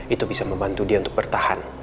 itu bisa membantu dia untuk bertahan